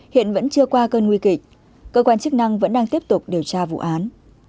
hiện vẫn chưa qua cơn nguy kịch cơ quan chức năng vẫn đang tiếp tục điều tra vụ án